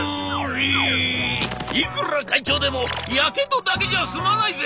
「いくら会長でもやけどだけじゃ済まないぜ！」。